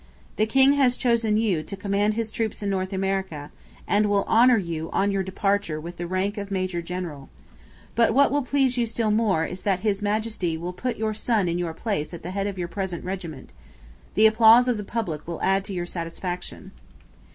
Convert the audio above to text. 'The king has chosen you to command his troops in North America, and will honour you on your departure with the rank of major general. But what will please you still more is that His Majesty will put your son in your place at the head of your present regiment. The applause of the public will add to your satisfaction.'